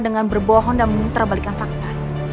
dengan berbohong dan memutar balikan fakta